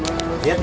masih ada tempatnya